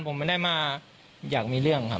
ผมไม่ได้มาอยากมีเรื่องครับ